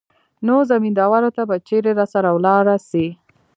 نو زمينداورو ته به چېرې راسره ولاړه سي.